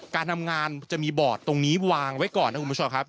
การทำงานจะมีบอร์ดตรงนี้วางไว้ก่อนนะคุณผู้ชมครับ